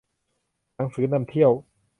หนังสือนำเที่ยว